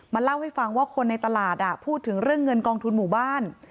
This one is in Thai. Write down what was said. เล่าให้ฟังว่าคนในตลาดพูดถึงเรื่องเงินกองทุนหมู่บ้าน